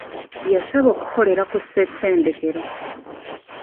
Yasaba okukolera ku ssetendekero.